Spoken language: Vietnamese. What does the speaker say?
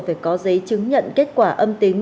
phải có giấy chứng nhận kết quả âm tính